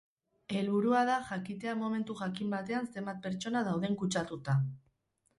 Helburua da jakitea momentu jakin batean zenbat pertsona dauden kutsatuta.